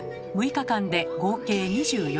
６日間で合計２４時間。